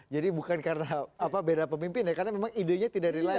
jadi bukan karena beda pemimpin ya karena memang idenya tidak reliable